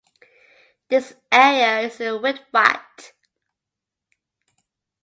This area is a windwatt.